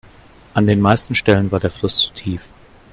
An den meisten Stellen war der Fluss zu tief.